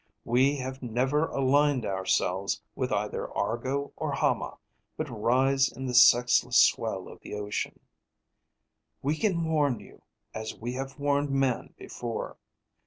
We have never aligned ourselves with either Argo or Hama, but rise in the sexless swell of the ocean. We can warn you, as we have warned man before.